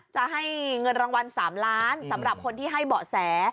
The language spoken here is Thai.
จะให้เงินรางวัล๓ล้านสำหรับคนที่ให้เบาะแส